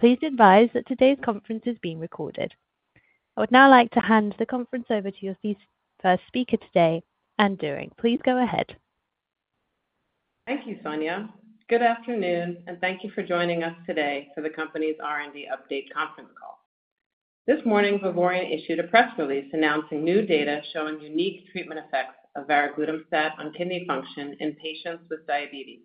Please advise that today's conference is being recorded. I would now like to hand the conference over to your first speaker today, Anne Doering. Please go ahead. Thank you, Sonia. Good afternoon, and thank you for joining us today for the company's R&D update conference call. This morning, Vivoryon issued a press release announcing new data showing unique treatment effects of varoglutamstat on kidney function in patients with diabetes.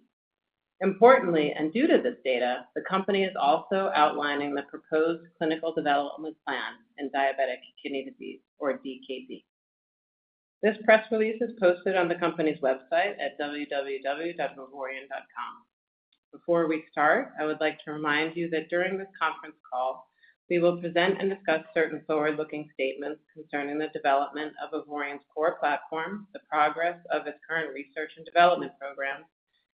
Importantly, and due to this data, the company is also outlining the proposed clinical development plan in diabetic kidney disease or DKD. This press release is posted on the company's website at www.vivoryon.com. Before we start, I would like to remind you that during this conference call, we will present and discuss certain forward-looking statements concerning the development of Vivoryon's core platform, the progress of its current research and development programs,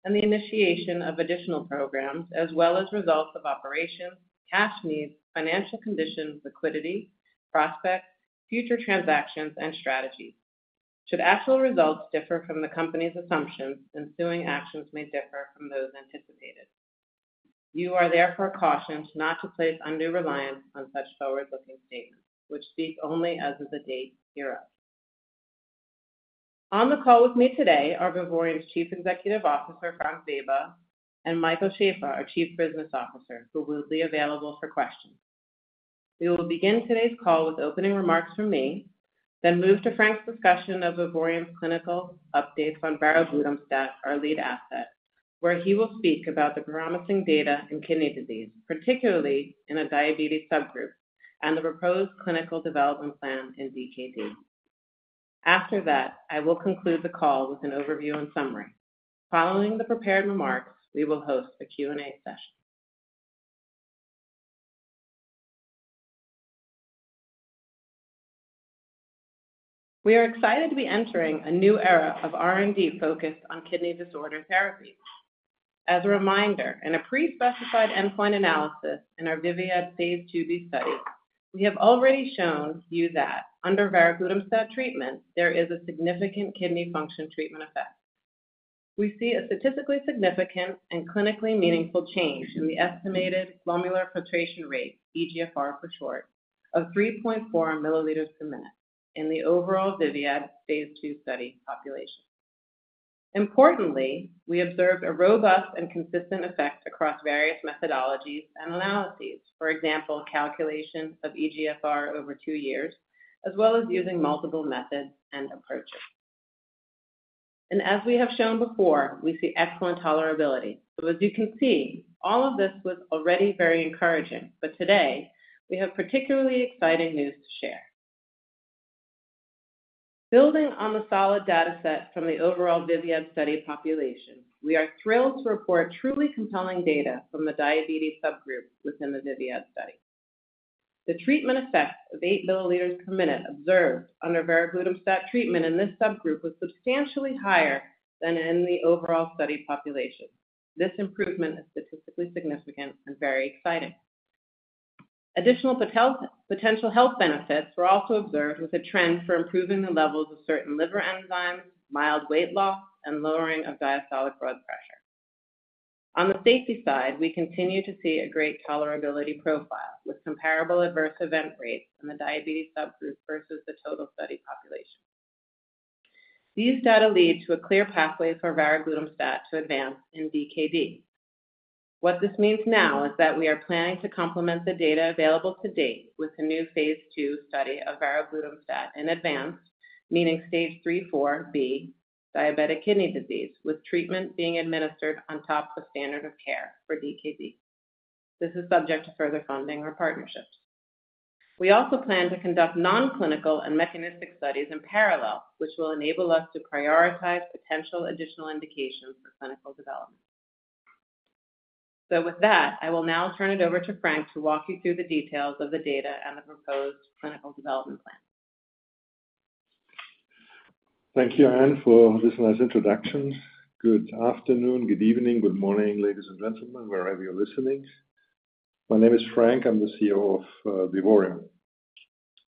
and the initiation of additional programs, as well as results of operations, cash needs, financial conditions, liquidity, prospects, future transactions, and strategies. Should actual results differ from the company's assumptions, ensuing actions may differ from those anticipated. You are therefore cautioned not to place undue reliance on such forward-looking statements, which speak only as of the date hereof. On the call with me today are Vivoryon's Chief Executive Officer, Frank Weber, and Michael Schaeffer, our Chief Business Officer, who will be available for questions. We will begin today's call with opening remarks from me, then move to Frank's discussion of Vivoryon's clinical updates on varoglutamstat, our lead asset, where he will speak about the promising data in kidney disease, particularly in a diabetes subgroup, and the proposed clinical development plan in DKD. After that, I will conclude the call with an overview and summary. Following the prepared remarks, we will host a Q&A session. We are excited to be entering a new era of R&D focused on kidney disorder therapies. As a reminder, in a pre-specified endpoint analysis in our VIVIAD phase IIb study, we have already shown you that under varoglutamstat treatment, there is a significant kidney function treatment effect. We see a statistically significant and clinically meaningful change in the estimated glomerular filtration rate, eGFR for short, of 3.4 mL/min in the overall VIVIAD phase II study population. Importantly, we observed a robust and consistent effect across various methodologies and analyses. For example, calculations of eGFR over two years, as well as using multiple methods and approaches. As we have shown before, we see excellent tolerability. As you can see, all of this was already very encouraging, but today we have particularly exciting news to share. Building on the solid dataset from the overall VIVIAD study population, we are thrilled to report truly compelling data from the diabetes subgroup within the VIVIAD study. The treatment effect of 8 mL/min observed under varoglutamstat treatment in this subgroup was substantially higher than in the overall study population. This improvement is statistically significant and very exciting. Additional potential health benefits were also observed, with a trend for improving the levels of certain liver enzymes, mild weight loss, and lowering of diastolic blood pressure. On the safety side, we continue to see a great tolerability profile, with comparable adverse event rates in the diabetes subgroup versus the total study population. These data lead to a clear pathway for varoglutamstat to advance in DKD. What this means now is that we are planning to complement the data available to date with a new phase II study of varoglutamstat in advanced, meaning stage 3b 4 diabetic kidney disease, with treatment being administered on top of standard of care for DKD. This is subject to further funding or partnerships. We also plan to conduct non-clinical and mechanistic studies in parallel, which will enable us to prioritize potential additional indications for clinical development. So with that, I will now turn it over to Frank to walk you through the details of the data and the proposed clinical development plan. Thank you, Anne, for this nice introduction. Good afternoon, good evening, good morning, ladies and gentlemen, wherever you're listening. My name is Frank. I'm the CEO of Vivoryon.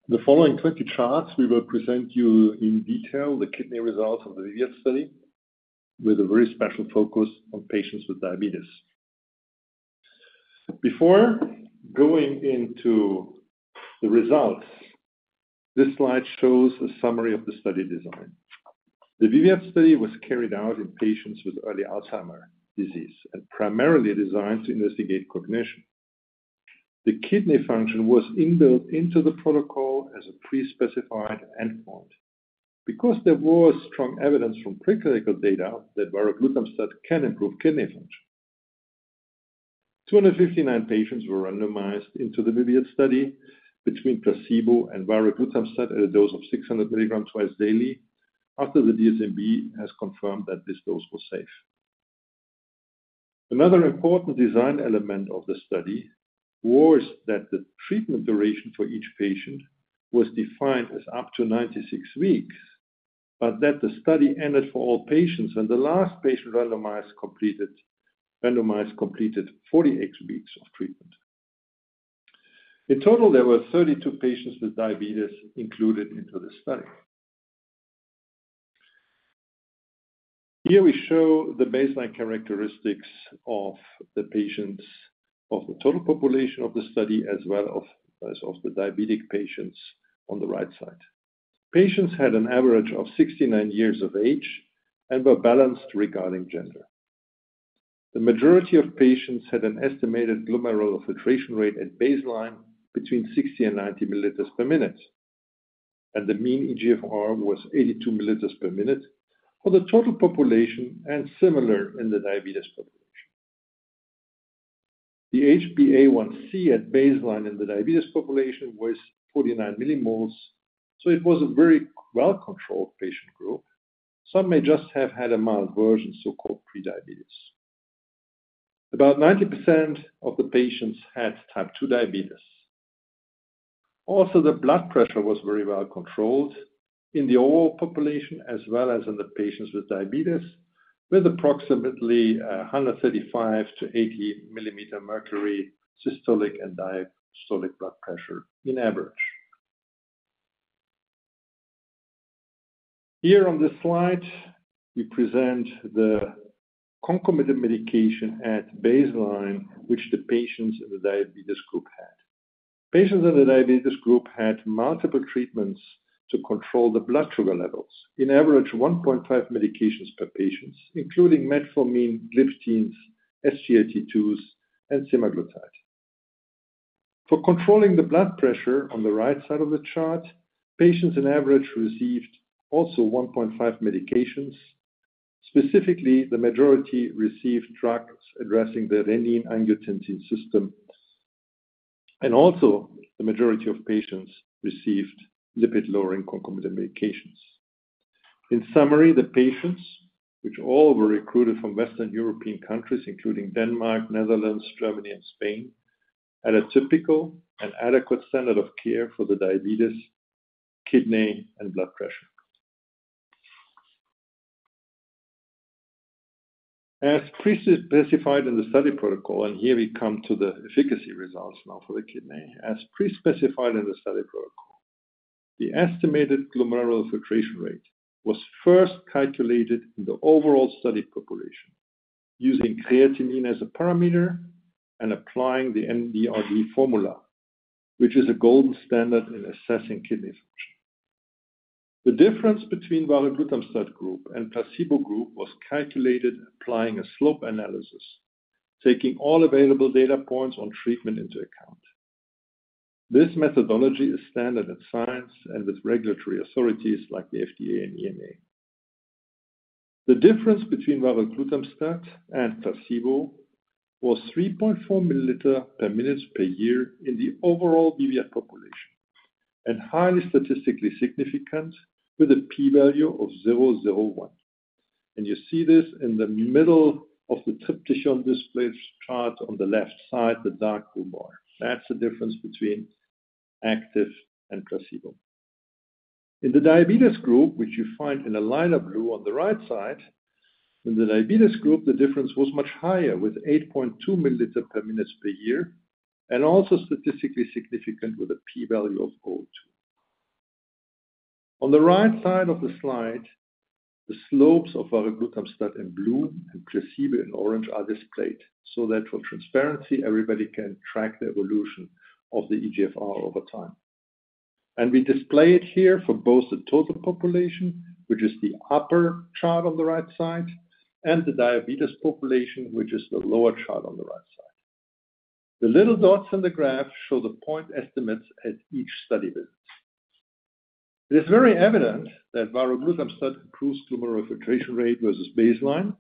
The following 20 charts, we will present you in detail the kidney results of the VIVIAD study with a very special focus on patients with diabetes. Before going into the results, this slide shows a summary of the study design. The VIVIAD study was carried out in patients with early Alzheimer's disease and primarily designed to investigate cognition. The kidney function was inbuilt into the protocol as a pre-specified endpoint. Because there was strong evidence from preclinical data that varoglutamstat can improve kidney function. 259 patients were randomized into the VIVIAD study between placebo and varoglutamstat at a dose of 600 mg twice daily after the DSMB has confirmed that this dose was safe. Another important design element of the study was that the treatment duration for each patient was defined as up to 96 weeks, but that the study ended for all patients, and the last patient randomized completed 48 weeks of treatment. In total, there were 32 patients with diabetes included into the study... Here we show the baseline characteristics of the patients, of the total population of the study, as well as of the diabetic patients on the right side. Patients had an average of 69 years of age and were balanced regarding gender. The majority of patients had an estimated glomerular filtration rate at baseline between 60 mL/min-90 mL/min, and the mean eGFR was 82 mL/min for the total population, and similar in the diabetes population. The HbA1c at baseline in the diabetes population was 49 mmol, so it was a very well-controlled patient group. Some may just have had a mild version, so-called pre-diabetes. About 90% of the patients had type 2 diabetes. Also, the blood pressure was very well controlled in the overall population, as well as in the patients with diabetes, with approximately 135 mmHg-80 mmHg, systolic and diastolic blood pressure in average. Here on this slide, we present the concomitant medication at baseline, which the patients in the diabetes group had. Patients in the diabetes group had multiple treatments to control the blood sugar levels. In average, 1.5 medications per patients, including metformin, gliptins, SGLT2s, and semaglutide. For controlling the blood pressure on the right side of the chart, patients in average received also 1.5 medications. Specifically, the majority received drugs addressing the renin-angiotensin system, and also the majority of patients received lipid-lowering concomitant medications. In summary, the patients, which all were recruited from Western European countries, including Denmark, Netherlands, Germany, and Spain, had a typical and adequate standard of care for the diabetes, kidney, and blood pressure. As pre-specified in the study protocol, and here we come to the efficacy results now for the kidney. As pre-specified in the study protocol, the estimated glomerular filtration rate was first calculated in the overall study population, using creatinine as a parameter and applying the MDRD formula, which is a gold standard in assessing kidney function. The difference between varoglutamstat group and placebo group was calculated applying a slope analysis, taking all available data points on treatment into account. This methodology is standard in science and with regulatory authorities like the FDA and EMA. The difference between varoglutamstat and placebo was 3.4 mL/min per year in the overall VIVIAD population, and highly statistically significant with a P value of 0.001. You see this in the middle of the triptych on display chart on the left side, the dark blue bar. That's the difference between active and placebo. In the diabetes group, which you find in a lighter blue on the right side, in the diabetes group, the difference was much higher, with 8.2 mL/min per year, and also statistically significant, with a P value of 0.02. On the right side of the slide, the slopes of varoglutamstat in blue and placebo in orange are displayed, so that for transparency, everybody can track the evolution of the eGFR over time. And we display it here for both the total population, which is the upper chart on the right side, and the diabetes population, which is the lower chart on the right side. The little dots on the graph show the point estimates at each study visit. It is very evident that varoglutamstat improves glomerular filtration rate versus baseline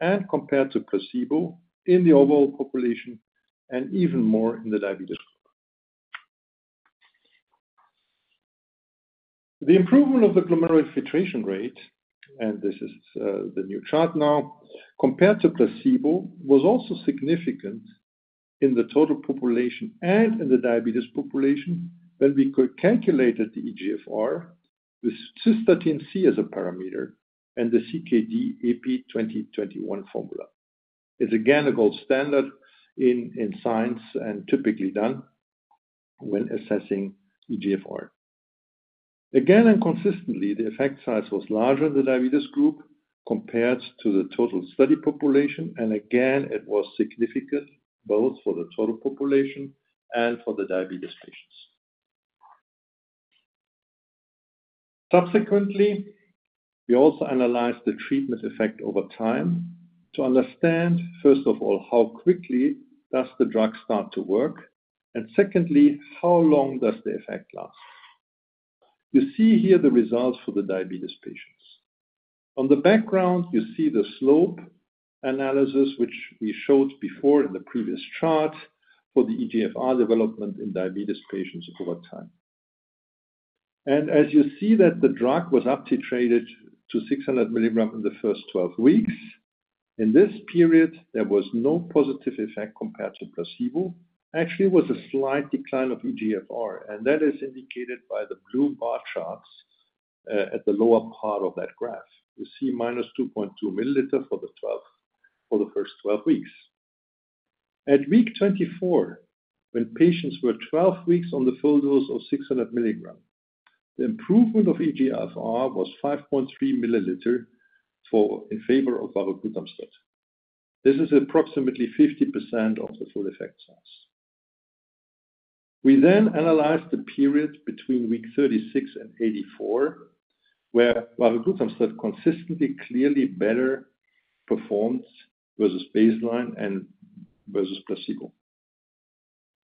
and compared to placebo in the overall population, and even more in the diabetes group. The improvement of the glomerular filtration rate, and this is, the new chart now, compared to placebo, was also significant in the total population and in the diabetes population, when we co-calculated the eGFR with cystatin C as a parameter and the CKD-EPI 2021 formula. It's again, a gold standard in science and typically done when assessing eGFR. Again and consistently, the effect size was larger in the diabetes population compared to total study population, and again, it was significant both for the total population and for the diabetes patients. Subsequently, we also analyzed the treatment effect over time to understand, first of all, how quickly does the drug start to work, and secondly, how long does the effect last? You see here the results for the diabetes patients. On the background, you see the slope analysis, which we showed before in the previous chart, for the eGFR development in diabetes patients over time. As you see that the drug was up titrated to 600 mg in the first 12 weeks, in this period, there was no positive effect compared to placebo. Actually, it was a slight decline of eGFR, and that is indicated by the blue bar charts at the lower part of that graph. You see -2.2 mL for the first 12 weeks. At week 24, when patients were 12 weeks on the full dose of 600 mg, the improvement of eGFR was 5.3 mL in favor of varoglutamstat. This is approximately 50% of the full effect size. We then analyzed the period between week 36 and 84, where varoglutamstat consistently, clearly better performs versus baseline and versus placebo.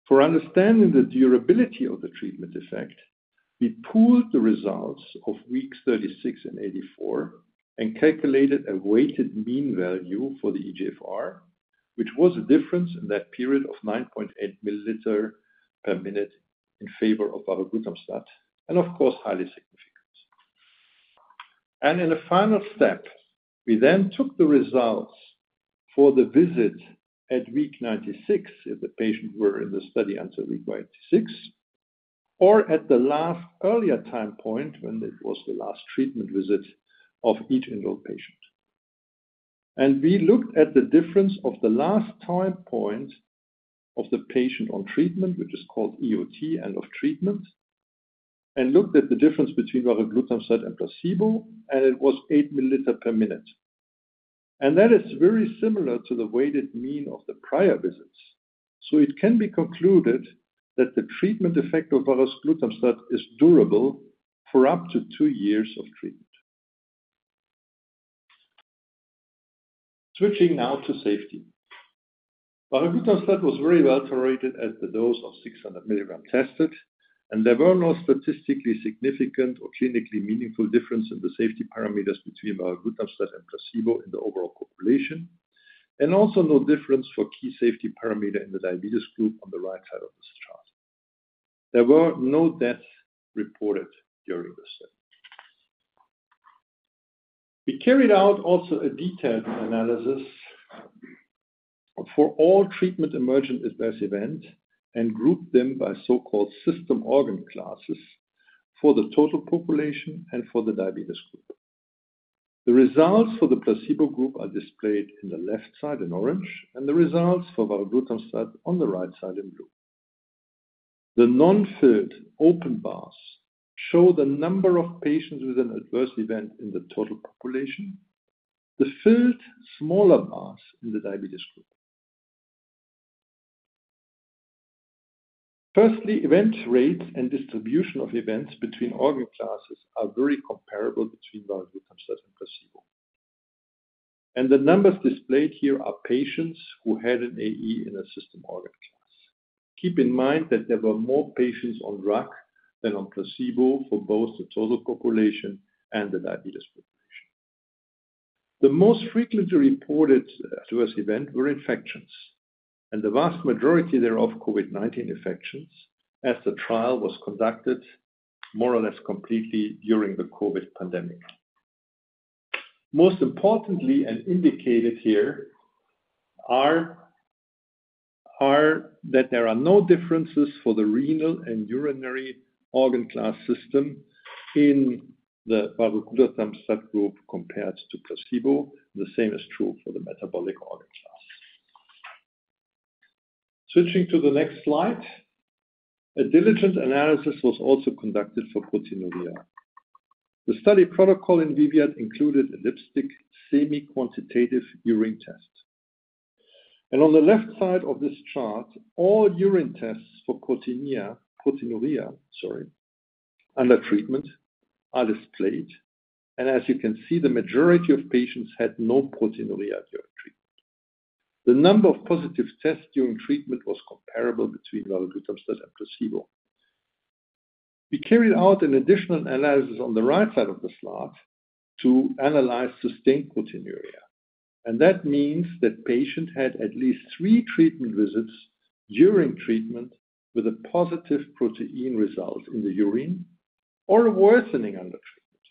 For understanding the durability of the treatment effect, we pooled the results of weeks 36 and 84, and calculated a weighted mean value for the eGFR, which was a difference in that period of 9.8 mL/min in favor of varoglutamstat, and of course, highly significant. In a final step, we then took the results for the visit at week 96, if the patient were in the study until week 96, or at the last earlier time point, when it was the last treatment visit of each enrolled patient. We looked at the difference of the last time point of the patient on treatment, which is called EOT, end of treatment, and looked at the difference between varoglutamstat and placebo, and it was 8 mL/min. That is very similar to the weighted mean of the prior visits. It can be concluded that the treatment effect of varoglutamstat is durable for up to two years of treatment. Switching now to safety. Varoglutamstat was very well tolerated at the dose of 600 mg tested, and there were no statistically significant or clinically meaningful difference in the safety parameters between varoglutamstat and placebo in the overall population, and also no difference for key safety parameter in the diabetes group on the right side of this chart. There were no deaths reported during the study. We carried out also a detailed analysis for all treatment emergent adverse event and grouped them by so-called system organ classes for the total population and for the diabetes group. The results for the placebo group are displayed in the left side in orange, and the results for varoglutamstat on the right side in blue. The non-filled open bars show the number of patients with an adverse event in the total population. The filled smaller bars in the diabetes group. Firstly, event rates and distribution of events between organ classes are very comparable between varoglutamstat and placebo. And the numbers displayed here are patients who had an AE in a system organ class. Keep in mind that there were more patients on drug than on placebo for both the total population and the diabetes population. The most frequently reported adverse event were infections, and the vast majority thereof, COVID-19 infections, as the trial was conducted more or less completely during the COVID pandemic. Most importantly, and indicated here, are that there are no differences for the renal and urinary organ class system in the varoglutamstat group compared to placebo. The same is true for the metabolic organ class. Switching to the next slide, a diligent analysis was also conducted for proteinuria. The study protocol in VIVIAD included a dipstick semi-quantitative urine test. And on the left side of this chart, all urine tests for proteinuria, proteinuria, sorry, under treatment are displayed, and as you can see, the majority of patients had no proteinuria during treatment. The number of positive tests during treatment was comparable between varoglutamstat and placebo. We carried out an additional analysis on the right side of the slide to analyze sustained proteinuria, and that means that patient had at least three treatment visits during treatment with a positive protein result in the urine or a worsening under treatment.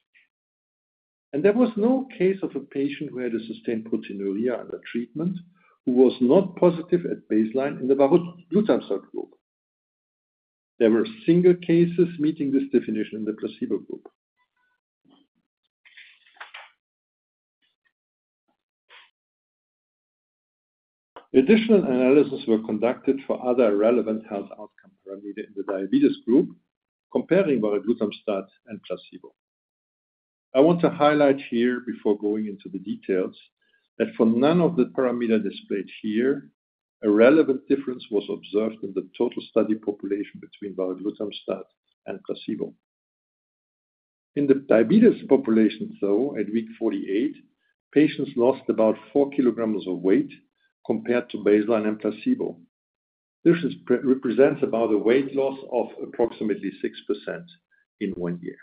And there was no case of a patient who had a sustained proteinuria under treatment, who was not positive at baseline in the varoglutamstat group. There were single cases meeting this definition in the placebo group. Additional analysis were conducted for other relevant health outcome parameter in the diabetes group, comparing varoglutamstat and placebo. I want to highlight here, before going into the details, that for none of the parameter displayed here, a relevant difference was observed in the total study population between varoglutamstat and placebo. In the diabetes population, though, at week 48, patients lost about 4 kg of weight compared to baseline and placebo. This represents about a weight loss of approximately 6% in one year.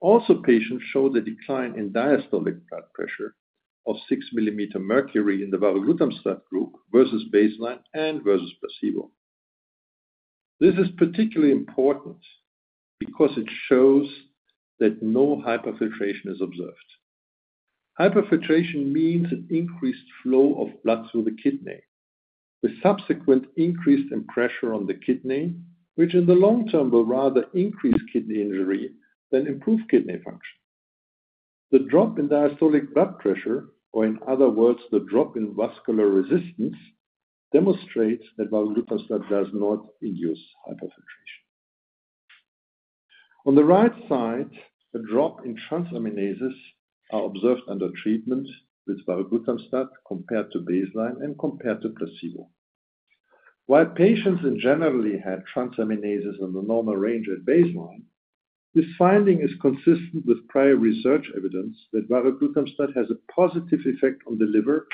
Also, patients showed a decline in diastolic blood pressure of 6 mmHg in the varoglutamstat group versus baseline and versus placebo. This is particularly important because it shows that no hyperfiltration is observed. Hyperfiltration means an increased flow of blood through the kidney, with subsequent increase in pressure on the kidney, which in the long term, will rather increase kidney injury than improve kidney function... The drop in diastolic blood pressure, or in other words, the drop in vascular resistance, demonstrates that varoglutamstat does not induce hyperfiltration. On the right side, a drop in transaminases are observed under treatment with varoglutamstat compared to baseline and compared to placebo. While patients generally had transaminases in the normal range at baseline, this finding is consistent with prior research evidence that varoglutamstat has a positive effect on the liver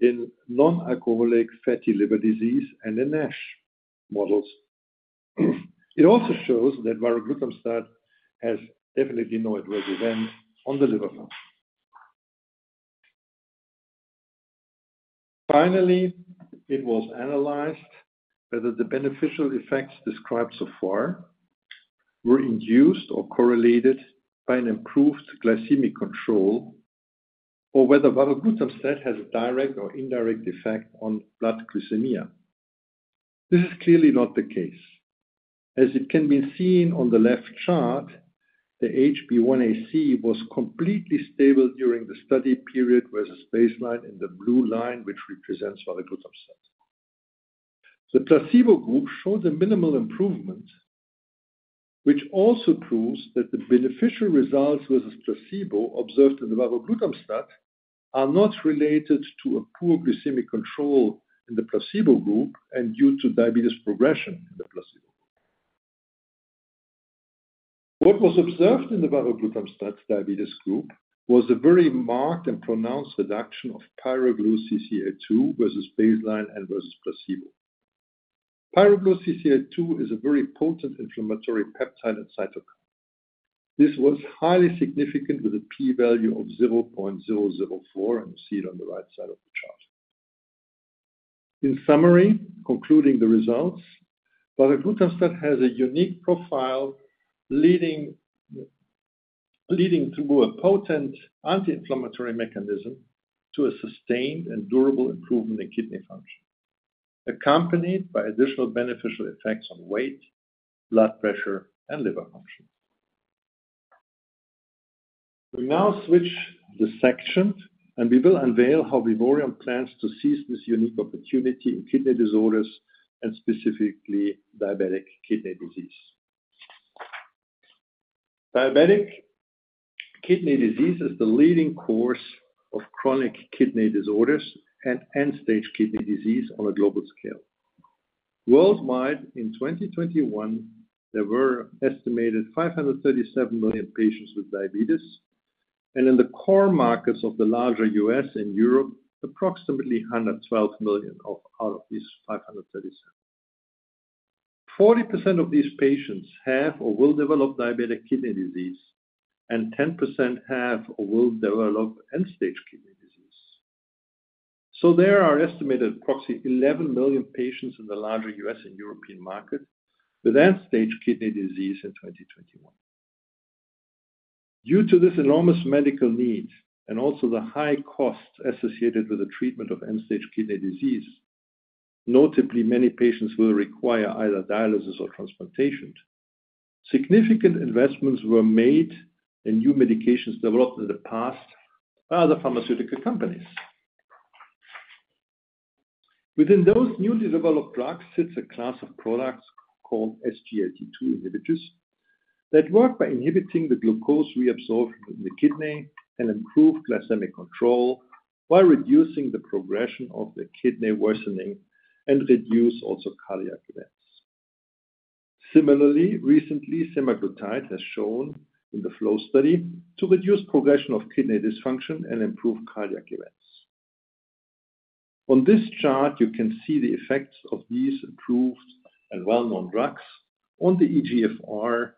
in non-alcoholic fatty liver disease and in NASH models. It also shows that varoglutamstat has definitely no adverse event on the liver function. Finally, it was analyzed whether the beneficial effects described so far were induced or correlated by an improved glycemic control, or whether varoglutamstat has a direct or indirect effect on blood glycemia. This is clearly not the case. As it can be seen on the left chart, the HbA1c was completely stable during the study period, versus baseline in the blue line, which represents varoglutamstat. The placebo group showed a minimal improvement, which also proves that the beneficial results versus placebo observed in the varoglutamstat are not related to a poor glycemic control in the placebo group and due to diabetes progression in the placebo. What was observed in the varoglutamstat diabetes group was a very marked and pronounced reduction of pyroglutamyl-CCL2 versus baseline and versus placebo. Pyroglutamyl-CCL2 is a very potent inflammatory peptide and cytokine. This was highly significant, with a p-value of 0.004, and you see it on the right side of the chart. In summary, concluding the results, varoglutamstat has a unique profile, leading through a potent anti-inflammatory mechanism to a sustained and durable improvement in kidney function, accompanied by additional beneficial effects on weight, blood pressure, and liver function. We now switch the section, and we will unveil how Vivoryon plans to seize this unique opportunity in kidney disorders and specifically diabetic kidney disease. Diabetic kidney disease is the leading cause of chronic kidney disorders and end-stage kidney disease on a global scale. Worldwide, in 2021, there were estimated 537 million patients with diabetes, and in the core markets of the larger U.S. and Europe, approximately 112 million of out of these 537 million. 40% of these patients have or will develop diabetic kidney disease, and 10% have or will develop end-stage kidney disease. So there are estimated approximately 11 million patients in the larger U.S. and European market with end-stage kidney disease in 2021. Due to this enormous medical need and also the high costs associated with the treatment of end-stage kidney disease, notably, many patients will require either dialysis or transplantation. Significant investments were made and new medications developed in the past by other pharmaceutical companies. Within those newly developed drugs, sits a class of products called SGLT2 inhibitors, that work by inhibiting the glucose reabsorbed in the kidney and improve glycemic control, while reducing the progression of the kidney worsening and reduce also cardiac events. Similarly, recently, Semaglutide has shown in the FLOW study to reduce progression of kidney dysfunction and improve cardiac events. On this chart, you can see the effects of these improved and well-known drugs on the eGFR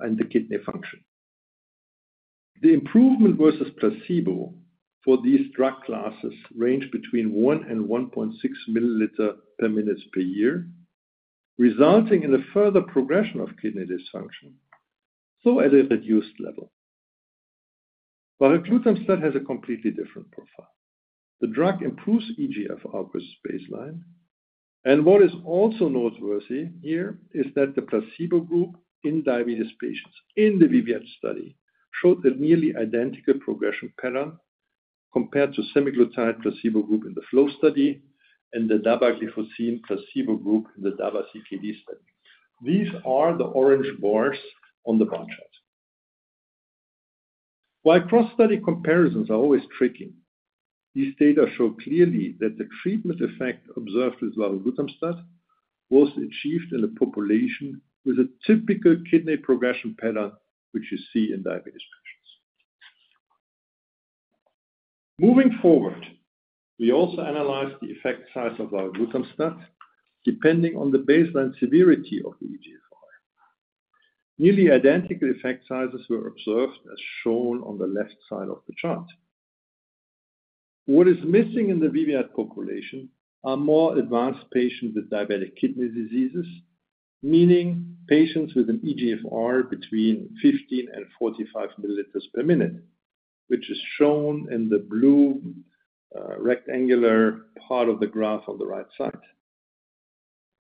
and the kidney function. The improvement versus placebo for these drug classes range between 1 mL/min and 1.6 mL/min per year, resulting in a further progression of kidney dysfunction, though at a reduced level. Varoglutamstat has a completely different profile. The drug improves eGFR versus baseline, and what is also noteworthy here is that the placebo group in diabetes patients in the VIVIAD study showed a nearly identical progression pattern compared to semaglutide placebo group in the FLOW study and the dapagliflozin placebo group in the DAPA-CKD study. These are the orange bars on the bar chart. While cross-study comparisons are always tricky, these data show clearly that the treatment effect observed with varoglutamstat was achieved in a population with a typical kidney progression pattern, which you see in diabetes patients. Moving forward, we also analyzed the effect size of varoglutamstat, depending on the baseline severity of the eGFR. Nearly identical effect sizes were observed, as shown on the left side of the chart. What is missing in the VIVIAD population are more advanced patients with diabetic kidney diseases, meaning patients with an eGFR between 15 mL/min and 45 mL/min, which is shown in the blue rectangular part of the graph on the right side.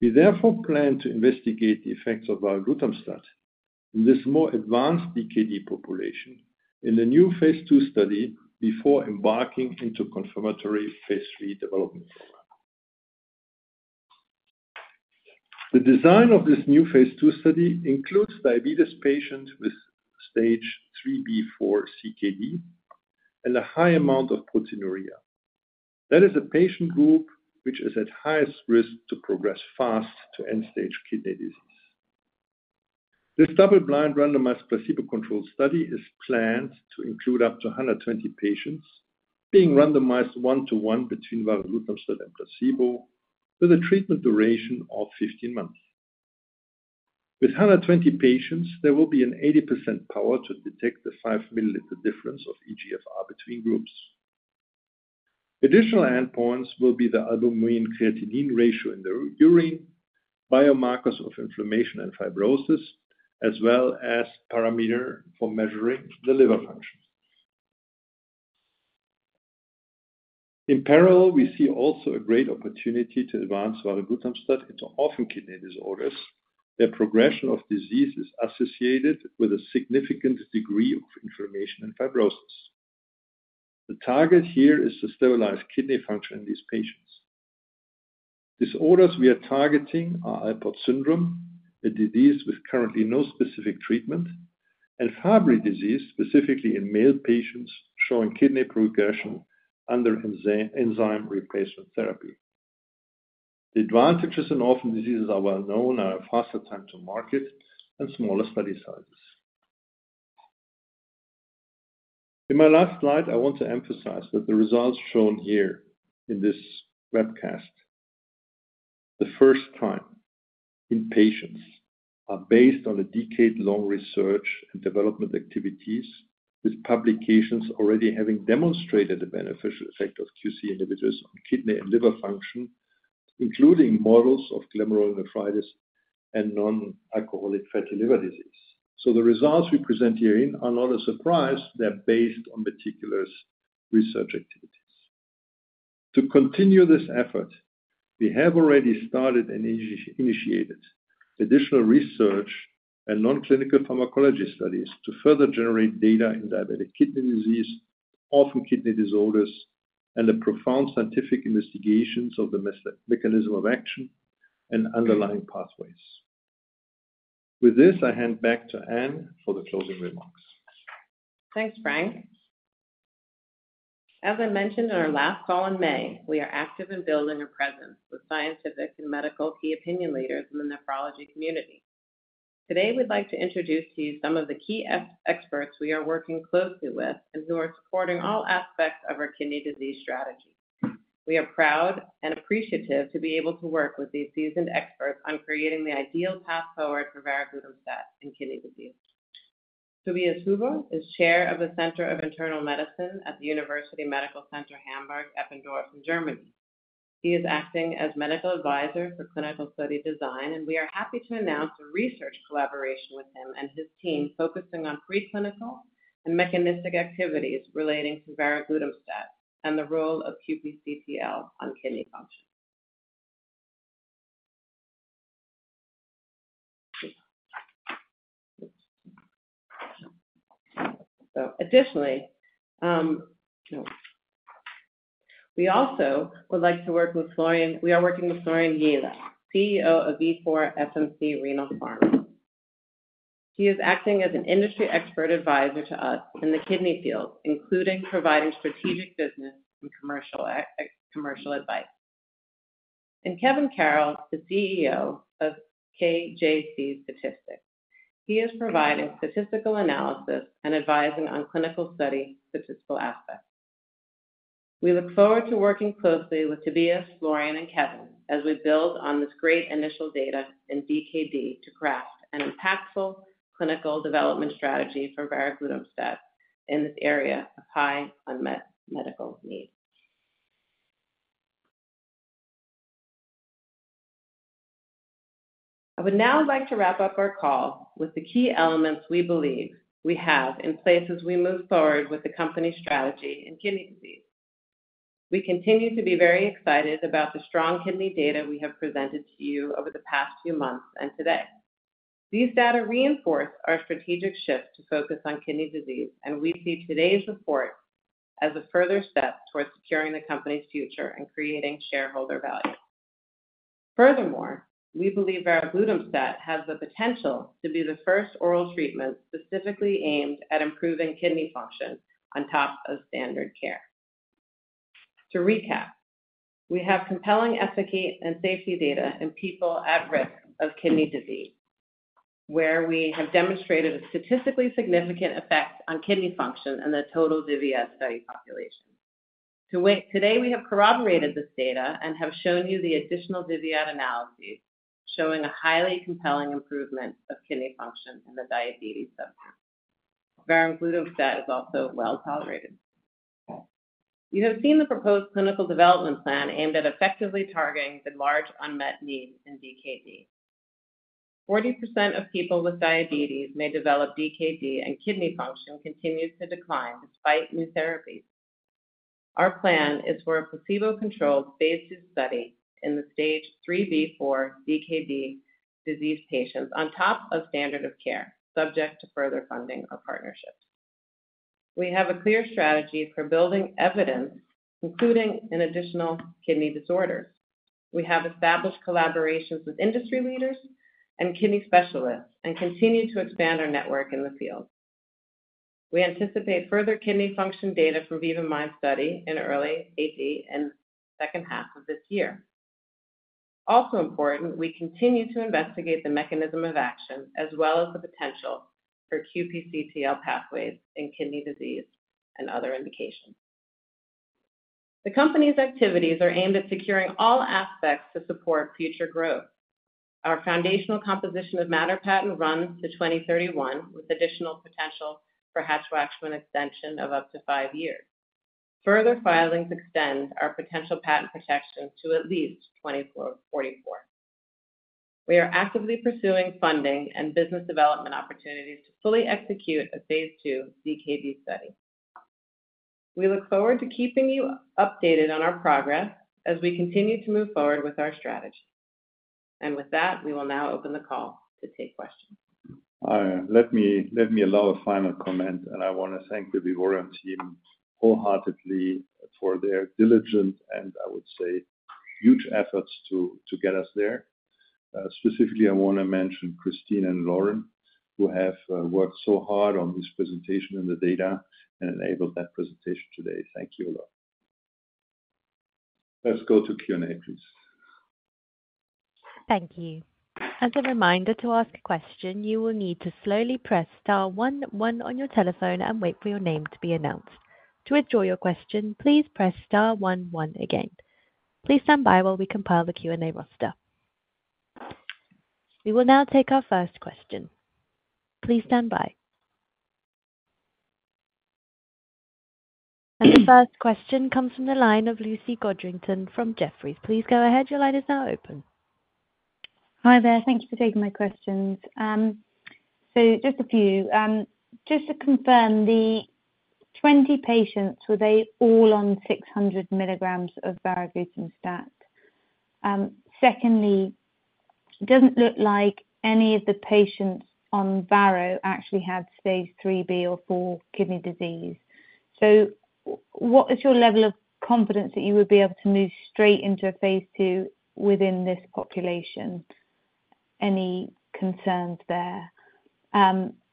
We therefore plan to investigate the effects of varoglutamstat in this more advanced DKD population in the new phase II study before embarking into confirmatory phase III development program. The design of this new phase II study includes diabetes patients with stage 3b 4 CKD, and a high amount of proteinuria. That is a patient group which is at highest risk to progress fast to end-stage kidney disease. This double-blind, randomized, placebo-controlled study is planned to include up to 120 patients, being randomized 1:1 between varoglutamstat and placebo, with a treatment duration of 15 months. With 120 patients, there will be an 80% power to detect the 5 mL difference of eGFR between groups. Additional endpoints will be the albumin-creatinine ratio in the urine, biomarkers of inflammation and fibrosis, as well as parameter for measuring the liver function. In parallel, we see also a great opportunity to advance varoglutamstat into orphan kidney disorders. Their progression of disease is associated with a significant degree of inflammation and fibrosis. The target here is to stabilize kidney function in these patients. Disorders we are targeting are Alport syndrome, a disease with currently no specific treatment, and Fabry disease, specifically in male patients showing kidney progression under enzyme replacement therapy. The advantages in orphan diseases are well known, are a faster time to market and smaller study sizes. In my last slide, I want to emphasize that the results shown here in this webcast, the first time in patients, are based on a decade-long research and development activities, with publications already having demonstrated the beneficial effect of QC inhibitors on kidney and liver function, including models of glomerulonephritis and non-alcoholic fatty liver disease. So the results we present herein are not a surprise, they're based on meticulous research activities. To continue this effort, we have already started and initiated additional research and non-clinical pharmacology studies to further generate data in diabetic kidney disease, orpharn kidney disorders, and the profound scientific investigations of the mechanism of action and underlying pathways. With this, I hand back to Anne for the closing remarks. Thanks, Frank. As I mentioned in our last call in May, we are active in building a presence with scientific and medical key opinion leaders in the nephrology community. Today, we'd like to introduce to you some of the key experts we are working closely with and who are supporting all aspects of our kidney disease strategy. We are proud and appreciative to be able to work with these seasoned experts on creating the ideal path forward for varoglutamstat in kidney disease. Tobias Huber is Chair of the Center of Internal Medicine at the University Medical Center Hamburg-Eppendorf in Germany. He is acting as medical advisor for clinical study design, and we are happy to announce a research collaboration with him and his team, focusing on preclinical and mechanistic activities relating to varoglutamstat and the role of QPCTL on kidney function. We also would like to work with Florian... We are working with Florian Jehle, CEO of Vifor FMC Renal Pharma. He is acting as an industry expert advisor to us in the kidney field, including providing strategic business and commercial advice. Kevin Carroll, the CEO of KJC Statistics. He is providing statistical analysis and advising on clinical study statistical aspects. We look forward to working closely with Tobias, Florian, and Kevin as we build on this great initial data in DKD to craft an impactful clinical development strategy for varoglutamstat in this area of high unmet medical need. I would now like to wrap up our call with the key elements we believe we have in place as we move forward with the company's strategy in kidney disease. We continue to be very excited about the strong kidney data we have presented to you over the past few months and today. These data reinforce our strategic shift to focus on kidney disease, and we see today's report as a further step towards securing the company's future and creating shareholder value. Furthermore, we believe varoglutamstat has the potential to be the first oral treatment specifically aimed at improving kidney function on top of standard care. To recap, we have compelling efficacy and safety data in people at risk of kidney disease, where we have demonstrated a statistically significant effect on kidney function in the total VIVIAD study population. Today, we have corroborated this data and have shown you the additional VIVIAD analysis, showing a highly compelling improvement of kidney function in the diabetes subgroup. Varoglutamstat is also well tolerated. You have seen the proposed clinical development plan aimed at effectively targeting the large unmet need in DKD. 40% of people with diabetes may develop DKD, and kidney function continues to decline despite new therapies. Our plan is for a placebo-controlled phase II study in the stage 3b 4 DKD disease patients on top of standard of care, subject to further funding or partnerships. We have a clear strategy for building evidence, including an additional kidney disorder. We have established collaborations with industry leaders and kidney specialists, and continue to expand our network in the field. We anticipate further kidney function data from VIVA-MIND study in early AP and second half of this year. Also important, we continue to investigate the mechanism of action, as well as the potential for QPCTL pathways in kidney disease and other indications. The company's activities are aimed at securing all aspects to support future growth. Our foundational composition of matter patent runs to 2031, with additional potential for Hatch-Waxman extension of up to five years. Further filings extend our potential patent protection to at least 2044. We are actively pursuing funding and business development opportunities to fully execute a phase II DKD study. We look forward to keeping you updated on our progress as we continue to move forward with our strategy. With that, we will now open the call to take questions. Let me allow a final comment, and I want to thank the Vivoryon team wholeheartedly for their diligence, and I would say, huge efforts to get us there. Specifically, I want to mention Christine and Lauren, who have worked so hard on this presentation and the data and enabled that presentation today. Thank you a lot. Let's go to Q&A, please. Thank you. As a reminder, to ask a question, you will need to slowly press star one one on your telephone and wait for your name to be announced. To withdraw your question, please press star one one again. Please stand by while we compile the Q&A roster. We will now take our first question. Please stand by. The first question comes from the line of Lucy Codrington from Jefferies. Please go ahead. Your line is now open. Hi there. Thank you for taking my questions. So just a few. Just to confirm, the 20 patients, were they all on 600 mg of varoglutamstat? Secondly, it doesn't look like any of the patients on varo actually had stage 3b or 4 kidney disease. So what is your level of confidence that you would be able to move straight into a phase II within this population? Any concerns there?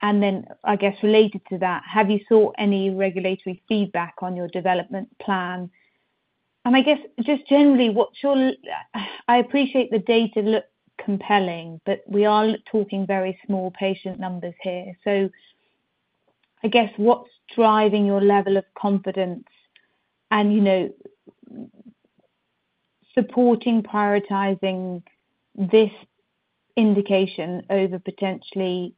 And then I guess related to that, have you sought any regulatory feedback on your development plan? And I guess just generally, what's your-- I appreciate the data look compelling, but we are talking very small patient numbers here. So I guess, what's driving your level of confidence and, you know, supporting, prioritizing this indication over potentially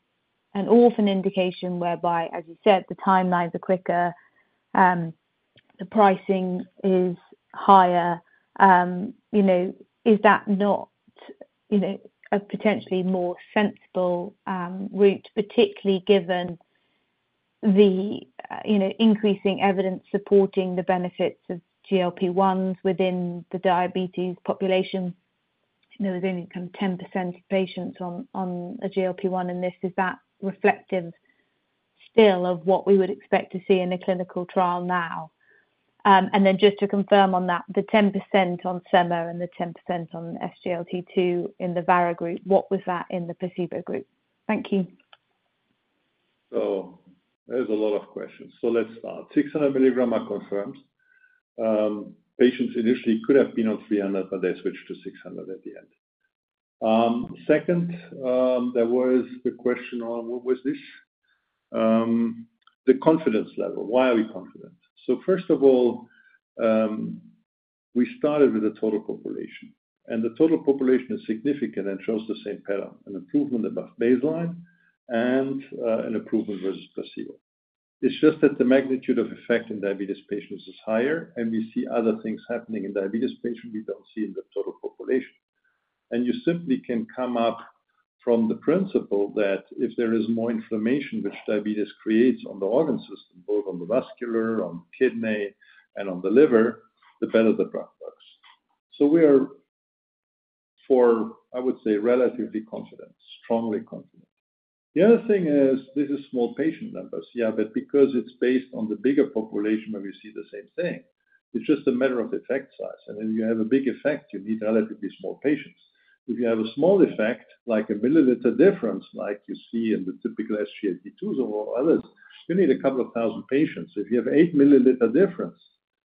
an orphan indication, whereby, as you said, the timelines are quicker, the pricing is higher. You know, is that not, you know, a potentially more sensible route, particularly given the, you know, increasing evidence supporting the benefits of GLP-1 within the diabetes population? You know, there's only kind of 10% of patients on a GLP-1, and this is that reflective still of what we would expect to see in a clinical trial now. And then just to confirm on that, the 10% on SEMA and the 10% on SGLT2 in the vara group, what was that in the placebo group? Thank you. There's a lot of questions. Let's start. 600 mg are confirmed. Patients initially could have been on 300 mg, but they switched to 600 mg at the end. Second, there was the question on what was this? The confidence level. Why are we confident? First of all, we started with the total population, and the total population is significant and shows the same pattern, an improvement above baseline and an improvement versus placebo. It's just that the magnitude of effect in diabetes patients is higher, and we see other things happening in diabetes patients we don't see in the total population. You simply can come up from the principle that if there is more inflammation, which diabetes creates on the organ system, both on the vascular, on kidney, and on the liver, the better the drug works. So we are, I would say, relatively confident, strongly confident. The other thing is, this is small patient numbers. Yeah, but because it's based on the bigger population where we see the same thing, it's just a matter of effect size. And when you have a big effect, you need relatively small patients. If you have a small effect, like a mililiter difference, like you see in the typical SGLT2s or others, you need 2,000 patients. If you have 8 mL difference,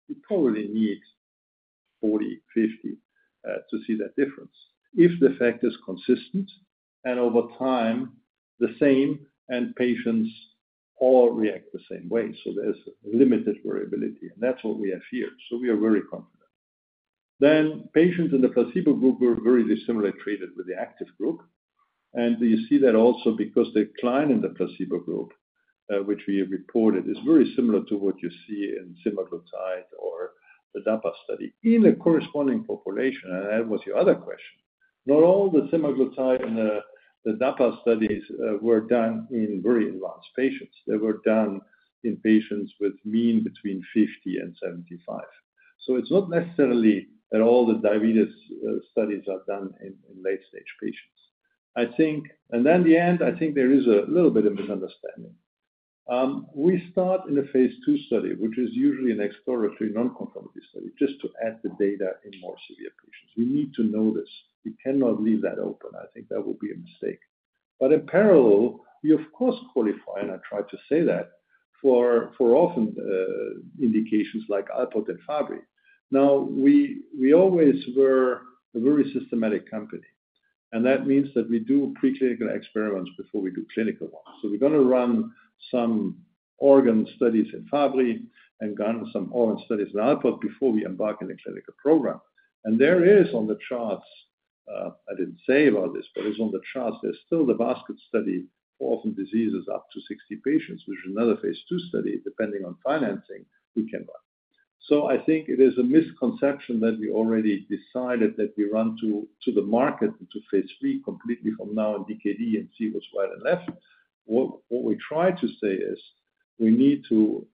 you probably need 40, 50 to see that difference. If the effect is consistent and over time, the same, and patients all react the same way. So there's limited variability, and that's what we have here. So we are very confident. Then, patients in the placebo group were very similarly treated with the active group, and you see that also because they decline in the placebo group, which we have reported is very similar to what you see in semaglutide or the DAPA study in a corresponding population, and that was your other question. Not all the semaglutide and the DAPA studies were done in very advanced patients. They were done in patients with mean between 50 and 75. So it's not necessarily that all the diabetes studies are done in late-stage patients. I think, and in the end, I think there is a little bit of misunderstanding. We start in a phase II study, which is usually an exploratory non-confirmatory study, just to add the data in more severe patients. We need to know this. We cannot leave that open. I think that would be a mistake. But in parallel, we of course qualify, and I tried to say that, for, for orphan indications like Alport and Fabry. Now, we, we always were a very systematic company, and that means that we do pre-clinical experiments before we do clinical ones. So we're going to run some organ studies in Fabry and run some organ studies in Alport before we embark in a clinical program. And there is on the charts, I didn't say about this, but it's on the charts. There's still the basket study, orphan diseases up to 60 patients, which is another phase II study, depending on financing, we can run. So I think it is a misconception that we already decided that we run to, to the market, to phase III, completely from now in DKD and see what's right and left. What we try to say is, we need to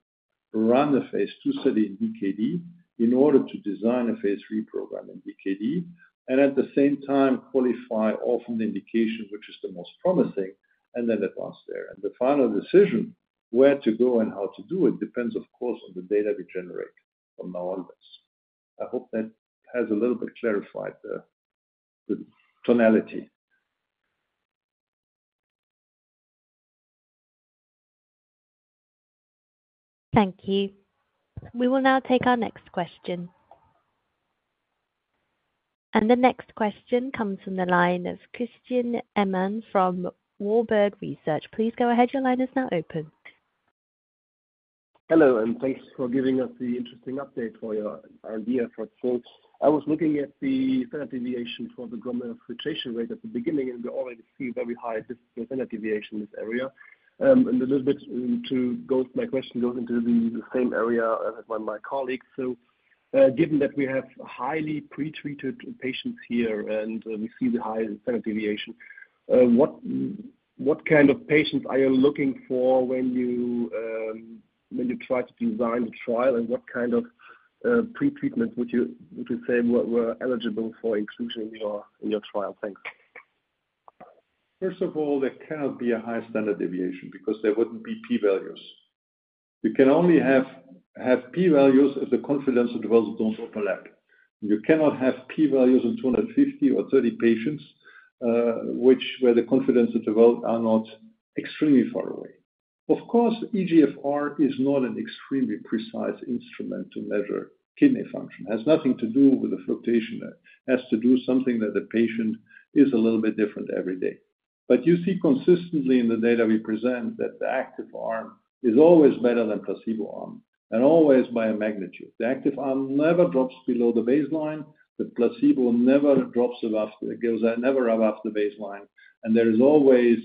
run the phase II study in DKD in order to design a phase III program in DKD, and at the same time qualify orphan indication, which is the most promising, and then advance there. The final decision, where to go and how to do it, depends, of course, on the data we generate from now on this. I hope that has a little bit clarified the tonality. Thank you. We will now take our next question. The next question comes from the line of Christian Ehmann from Warburg Research. Please go ahead. Your line is now open. Hello, and thanks for giving us the interesting update for your VIVIAD. So I was looking at the standard deviation for the glomerular filtration rate at the beginning, and we already see very high standard deviation in this area. And a little bit too, my question goes into the same area as my colleague. So, given that we have highly pre-treated patients here and we see the high standard deviation, what kind of patients are you looking for when you try to design the trial? And what kind of pre-treatment would you say were eligible for inclusion in your trial? Thanks. First of all, there cannot be a high standard deviation because there wouldn't be P values. You can only have, have P values if the confidence intervals don't overlap. You cannot have P values in 250 or 30 patients, which where the confidence interval are not extremely far away. Of course, eGFR is not an extremely precise instrument to measure kidney function. It has nothing to do with the filtration. It has to do something that the patient is a little bit different every day. But you see consistently in the data we present, that the active arm is always better than placebo arm, and always by a magnitude. The active arm never drops below the baseline. The placebo never drops above, it goes never above the baseline, and there is always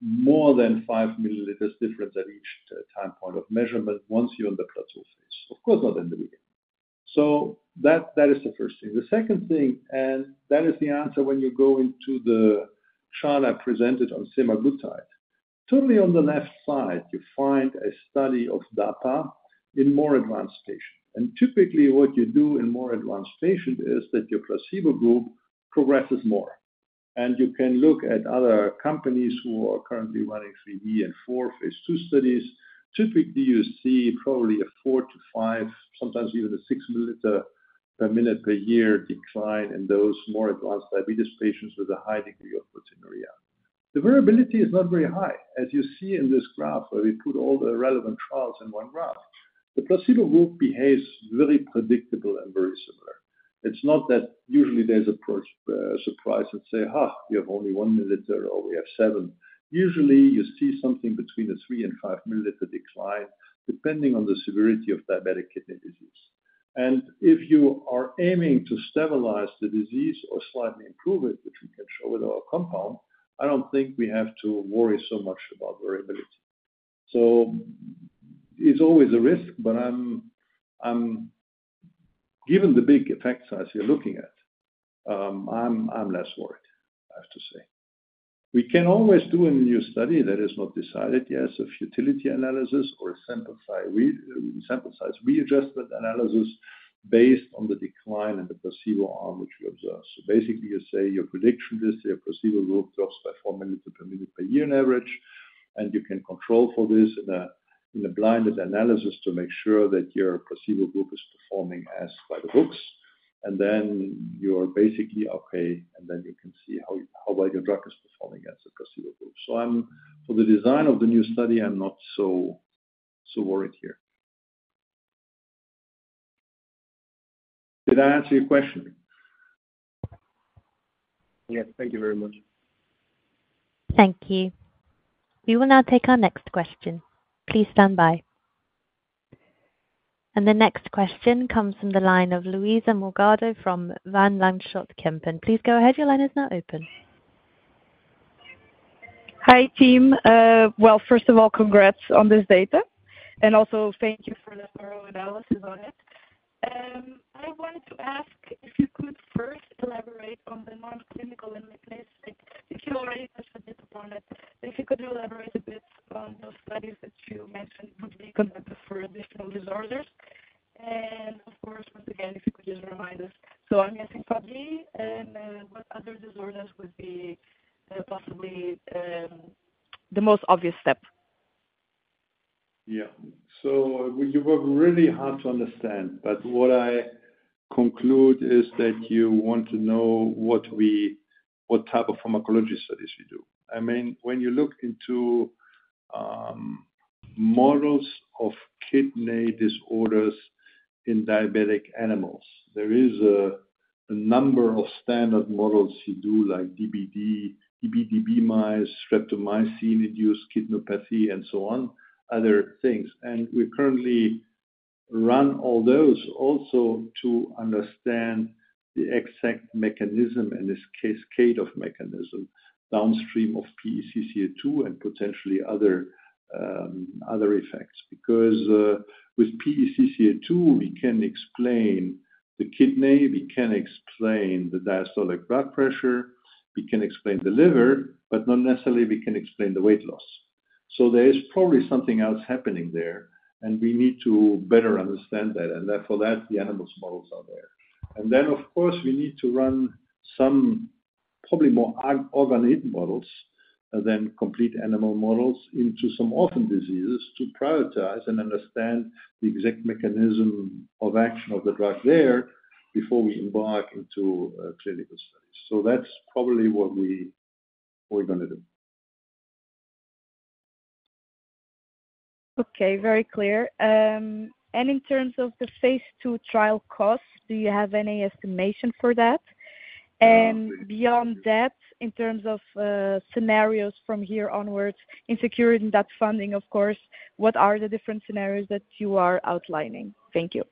more than 5 mL difference at each time point of measurement once you're on the plateau phase. Of course, not in the beginning. So that is the first thing. The second thing, and that is the answer when you go into the trial I presented on semaglutide. Totally on the left side, you find a study of data in more advanced patients. And typically, what you do in more advanced patients is that your placebo group progresses more. And you can look at other companies who are currently running three and four phase II studies. Typically, you see probably a four-five, sometimes even a 6 mL/min per year decline in those more advanced diabetes patients with a high degree of proteinuria. The variability is not very high. As you see in this graph, where we put all the relevant trials in one graph, the placebo group behaves very predictable and very similar. It's not that usually there's approach, surprise and say, "Ha, we have only 1 mL or we have 7." Usually, you see something between a 3mL and 5 mL decline, depending on the severity of diabetic kidney disease. And if you are aiming to stabilize the disease or slightly improve it, which we can show with our compound, I don't think we have to worry so much about variability. So it's always a risk, but I'm... Given the big effect size you're looking at, I'm less worried, I have to say. We can always do a new study that is not decided yet, as a futility analysis or a sample size readjustment analysis, based on the decline in the placebo arm which we observe. So basically, you say your prediction is the placebo group drops by 4 mL/min per year on average, and you can control for this in a blinded analysis to make sure that your placebo group is performing as by the books. And then you are basically okay, and then you can see how well your drug is performing as a placebo group. So I'm for the design of the new study, I'm not so worried here. Did I answer your question? Yes. Thank you very much. Thank you. We will now take our next question. Please stand by.... And the next question comes from the line of Luísa Morgado from Van Lanschot Kempen. Please go ahead. Your line is now open. Hi, team. Well, first of all, congrats on this data, and also thank you for the thorough analysis on it. I wanted to ask if you could first elaborate on the non-clinical and mechanistic. If you already touched a bit upon it, if you could elaborate a bit on those studies that you mentioned would be conducted for additional disorders. And of course, once again, if you could just remind us. So I'm guessing Fabry, and what other disorders would be possibly the most obvious step? Yeah. So you work really hard to understand, but what I conclude is that you want to know what we—what type of pharmacology studies we do. I mean, when you look into models of kidney disorders in diabetic animals, there is a number of standard models you do, like db/db, db/db mice, streptozotocin-induced kidney nephropathy, and so on, other things. And we currently run all those also to understand the exact mechanism and this cascade of mechanism downstream of pGlu-CCL2 and potentially other, other effects. Because with pGlu-CCL2, we can explain the kidney, we can explain the diastolic blood pressure, we can explain the liver, but not necessarily we can explain the weight loss. So there is probably something else happening there, and we need to better understand that, and therefore that, the animal models are there. Then, of course, we need to run some probably more organ-on-a-chip models than complete animal models into some orphan diseases to prioritize and understand the exact mechanism of action of the drug there before we embark into clinical studies. That's probably what we're gonna do. Okay, very clear. In terms of the phase II trial costs, do you have any estimation for that? Beyond that, in terms of scenarios from here onwards, in securing that funding, of course, what are the different scenarios that you are outlining? Thank you.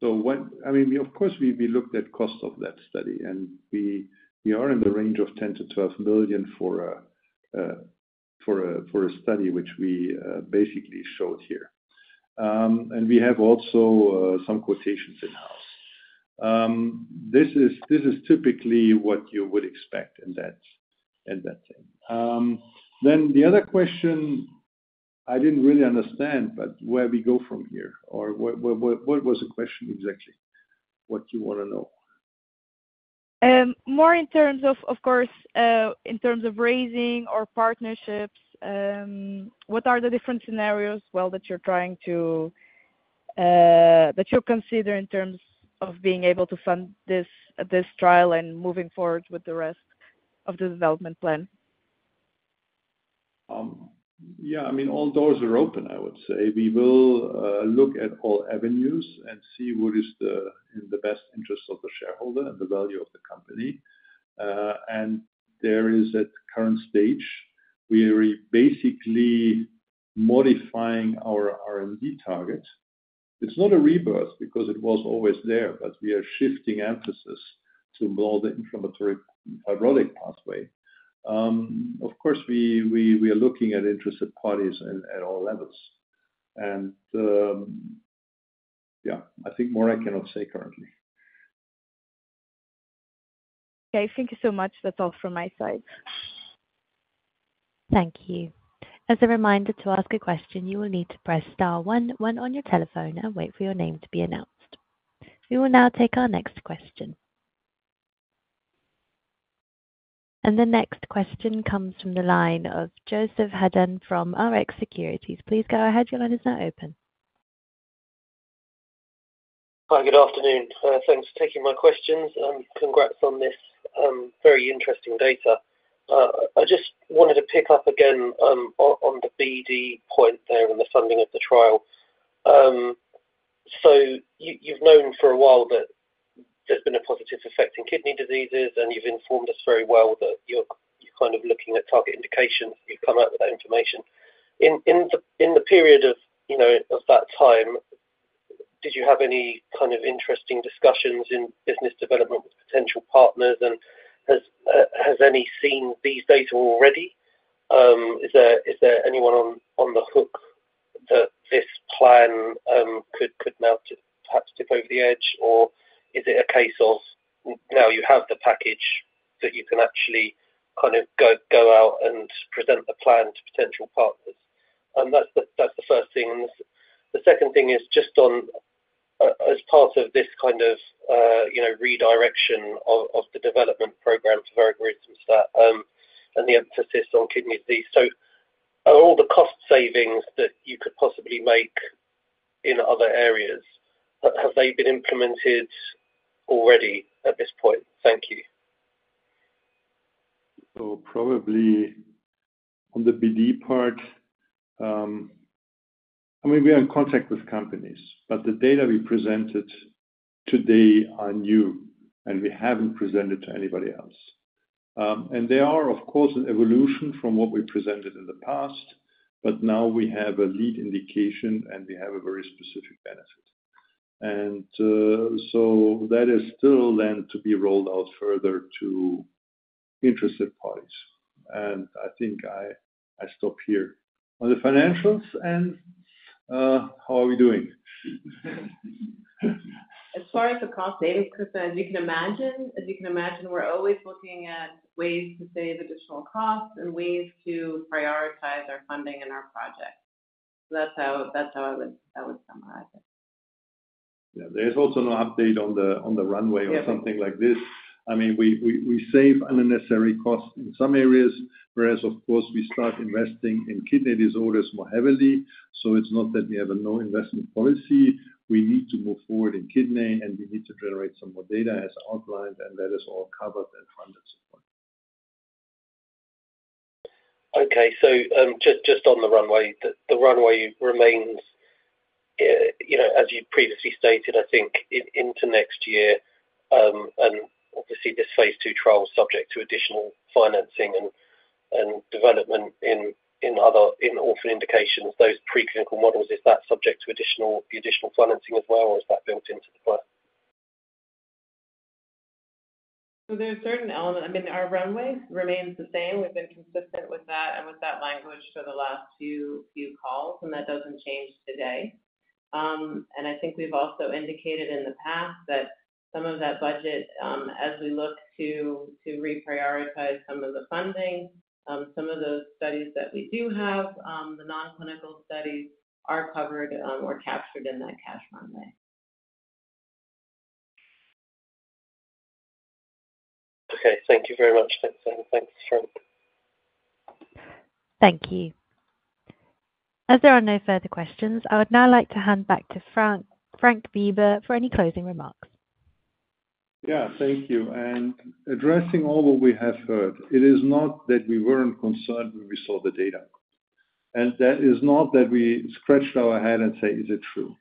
So what, I mean, of course, we looked at cost of that study, and we are in the range of 10 million-12 million for a study, which we basically showed here. And we have also some quotations in-house. This is typically what you would expect in that thing. Then the other question, I didn't really understand, but where we go from here, or what was the question exactly? What you want to know? More in terms of, of course, in terms of raising or partnerships, what are the different scenarios, well, that you're trying to, that you consider in terms of being able to fund this, this trial and moving forward with the rest of the development plan? Yeah, I mean, all doors are open, I would say. We will look at all avenues and see what is the in the best interest of the shareholder and the value of the company. There is at current stage, we are basically modifying our R&D target. It's not a rebirth because it was always there, but we are shifting emphasis to more the inflammatory fibrotic pathway. Of course, we are looking at interested parties at all levels. Yeah, I think more I cannot say currently. Okay, thank you so much. That's all from my side. Thank you. As a reminder to ask a question, you will need to press star one one on your telephone and wait for your name to be announced. We will now take our next question. The next question comes from the line of Joseph Hedden from RX Securities. Please go ahead. Your line is now open. Hi, good afternoon. Thanks for taking my questions, and congrats on this very interesting data. I just wanted to pick up again on the BD point there and the funding of the trial. So you've known for a while that there's been a positive effect in kidney diseases, and you've informed us very well that you're kind of looking at target indications. You've come up with that information. In the period of, you know, that time, did you have any kind of interesting discussions in business development with potential partners? And has any seen these data already? Is there anyone on the hook that this plan could now just perhaps tip over the edge? Or is it a case of now you have the package that you can actually kind of go, go out and present the plan to potential partners? And that's the, that's the first thing. The second thing is just on, as part of this kind of, you know, redirection of, of the development program to very great and that, and the emphasis on kidney disease. So are all the cost savings that you could possibly make in other areas, but have they been implemented already at this point? Thank you. So probably on the BD part, I mean, we are in contact with companies, but the data we presented today are new, and we haven't presented to anybody else. And they are, of course, an evolution from what we presented in the past, but now we have a lead indication, and we have a very specific benefit. And so that is still then to be rolled out further to interested parties. And I think I stop here. On the financials and how are we doing? As far as the cost savings concerned, as you can imagine, we're always looking at ways to save additional costs and ways to prioritize our funding and our projects. So that's how I would summarize it. Yeah. There's also no update on the runway or something like this. I mean, we save unnecessary costs in some areas, whereas of course, we start investing in kidney disorders more heavily, so it's not that we have a no investment policy. We need to move forward in kidney, and we need to generate some more data as outlined, and that is all covered and funded so far. Okay. So, just on the runway, the runway remains, you know, as you previously stated, I think, into next year, and obviously, this phase II trial is subject to additional financing and development in other orphan indications, those preclinical models, is that subject to additional financing as well, or is that built into the plan? So there are certain elements... I mean, our runway remains the same. We've been consistent with that and with that language for the last few calls, and that doesn't change today. I think we've also indicated in the past that some of that budget, as we look to reprioritize some of the funding, some of those studies that we do have, the non-clinical studies are covered, or captured in that cash runway. Okay, thank you very much, Lisa, and thanks, Frank. Thank you. As there are no further questions, I would now like to hand back to Frank Weber for any closing remarks. Yeah, thank you. And addressing all what we have heard, it is not that we weren't concerned when we saw the data, and that is not that we scratched our head and say, "Is it true?"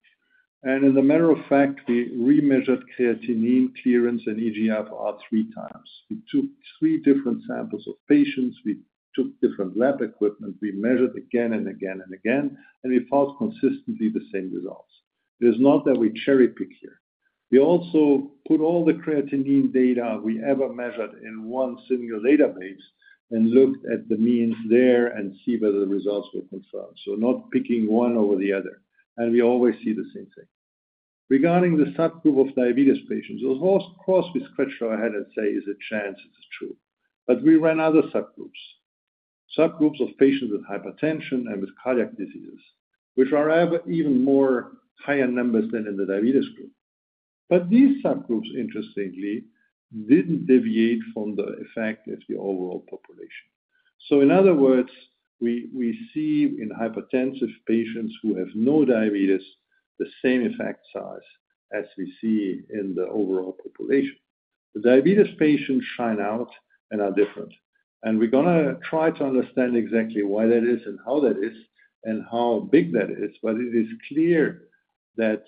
And as a matter of fact, we remeasured creatinine clearance and eGFR three times. We took three different samples of patients. We took different lab equipment. We measured again and again and again, and we found consistently the same results. It is not that we cherry-pick here. We also put all the creatinine data we ever measured in one single database and looked at the means there and see whether the results were confirmed. So not picking one over the other, and we always see the same thing. Regarding the subgroup of diabetes patients, of course, we scratched our head and say, "Is it chance? Is it true?" But we ran other subgroups. Subgroups of patients with hypertension and with cardiac diseases, which are ever even more higher numbers than in the diabetes group. These subgroups, interestingly, didn't deviate from the effect of the overall population. In other words, we see in hypertensive patients who have no diabetes, the same effect size as we see in the overall population. The diabetes patients shine out and are different, and we're going to try to understand exactly why that is and how that is and how big that is. It is clear that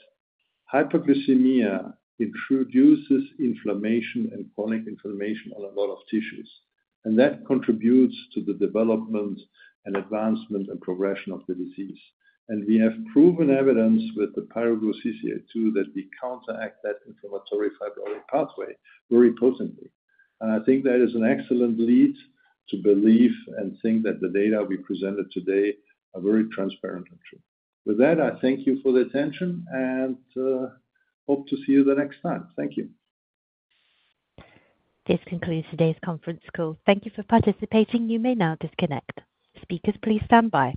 hyperglycemia introduces inflammation and chronic inflammation on a lot of tissues, and that contributes to the development and advancement and progression of the disease. We have proven evidence with the pyroglutamyl-CCL2, too, that we counteract that inflammatory fibrotic pathway very potently. I think that is an excellent lead to believe and think that the data we presented today are very transparent and true. With that, I thank you for the attention and hope to see you the next time. Thank you. This concludes today's conference call. Thank you for participating. You may now disconnect. Speakers, please stand by.